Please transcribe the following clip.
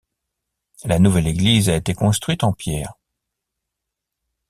La nouvelle église a été construite en pierre.